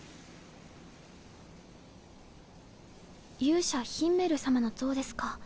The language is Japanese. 勇者ヒンメル様の像ですか。